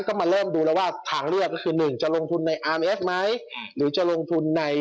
ก็ว่าเริ่มดูแล้วว่าทางเลือกก็คือหนึ่งจะลงทุนในอารมณ์เอฟไหม